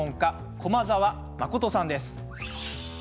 駒澤真人さんです。